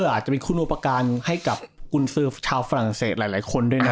อาจจะเป็นคุณอุปการณ์ให้กับกุญสือชาวฝรั่งเศสหลายคนด้วยนะ